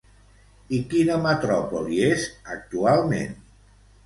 I quina metròpoli és actualment?